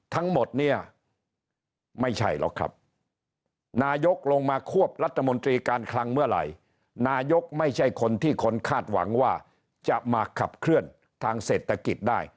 ทั้งหมดเนี่ยไม่ใช่หรอกครับนายกลงมาควบรัฐมนตรีการคลังเมื่อไหร่นายกไม่ใช่คนที่คนคาดหวังว่าจะมาขับเคลื่อนทางเศรษฐกิจได้